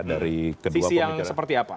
sisi yang seperti apa